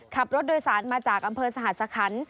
ขับรถโดยสารมาจากอำเภอสหัสคัน